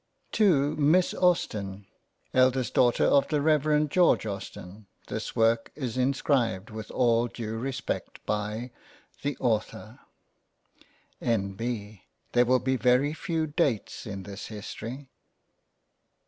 To Miss Austen, eldest daughter of the Rev. George Austen, this work is inscribed with all due respect by The Author N.B. There will be very few Dates in this History.